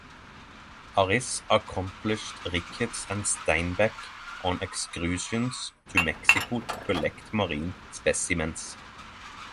Ariss accompanied Ricketts and Steinbeck on excursions to Mexico to collect marine specimens.